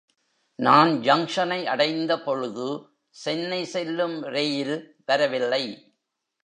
நான் ஜங்க்ஷனை அடைந்தபொழுது சென்னை செல்லும் ரெயில் வரவில்லை.